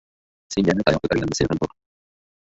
• Senga tayoq ko‘targanni sen ham ur.